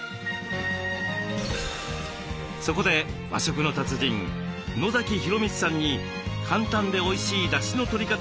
そこで和食の達人野洋光さんに簡単でおいしいだしのとり方を教えて頂きます。